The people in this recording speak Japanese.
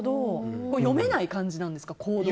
読めない感じなんですか、行動。